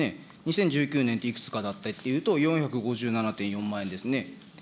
２０１９年でいくつだったかというと、４９７万円ですね。